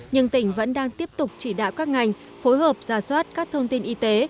nhưng tỉnh vẫn đang tiếp tục chỉ đạo các ngành phối hợp giả soát các thông tin y tế